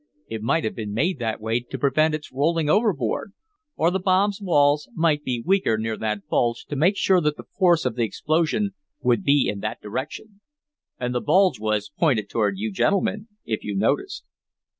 "It might have been made that way to prevent its rolling overboard, or the bomb's walls might be weaker near that bulge to make sure that the force of the explosion would be in that direction. And the bulge was pointed toward you gentlemen, if you noticed."